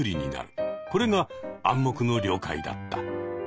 これが暗黙の了解だった。